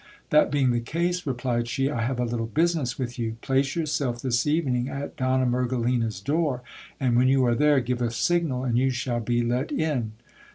That being the case, replied she, I have a little business with you. Place yourself this evening at Donna A' ergelina's door ; and when you are there, give a signal, and you shall be let in.